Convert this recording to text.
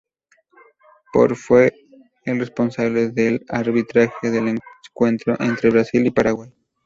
Por fue el responsable del arbitraje del encuentro entre Brasil y Paraguay.